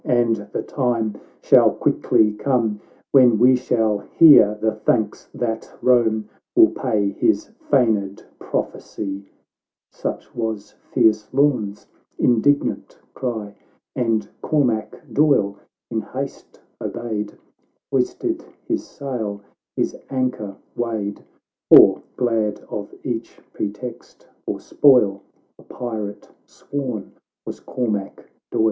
Ay, and the time shall quickly come, "When we shall hear the thanks that Rome Will pay his feigned prophecy !"— Such was fierce Lorn's indignant cry ; And Cormac Doil in haste obeyed, Hoisted his sail, his anchor weighed, (For, glad of each pretext for spoil, A pirate f sworn was Cormac Doil.)